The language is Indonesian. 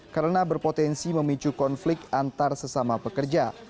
karena berpotensi memicu konflik antar sesama pekerja